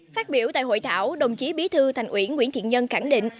phát biểu tại hội thảo đồng chí bí thư thành ủy nguyễn thiện nhân khẳng định